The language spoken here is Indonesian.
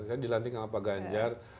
saya dilantik sama pak ganjar